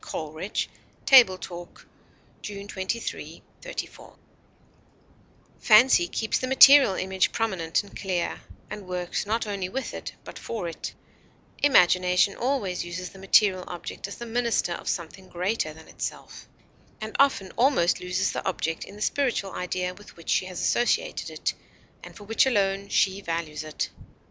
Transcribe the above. COLERIDGE Table Talk June 23, '34. Fancy keeps the material image prominent and clear, and works not only with it, but for it; imagination always uses the material object as the minister of something greater than itself, and often almost loses the object in the spiritual idea with which she has associated it, and for which alone she values it.